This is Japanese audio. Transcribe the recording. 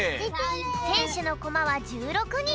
せんしゅのコマは１６にん。